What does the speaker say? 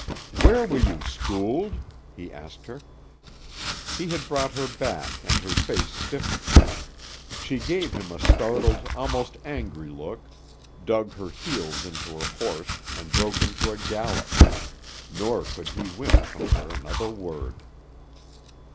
"Where were you schooled?" he asked her. He had brought her back and her face stiffened. She gave him a startled, almost angry look, dug her heels into her horse and broke into a gallop; nor could he win from her another word.